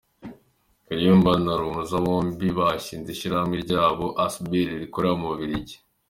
Kayumba na Ruhumuza bombi bashinze Ishyirahamwe Jambo Asbl rikorera mu Bubiligi.